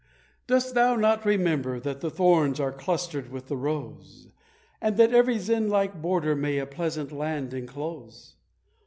Dost thou not remember that the thorns are clustered with the rose, And that every Zin like border may a pleasant land enclose?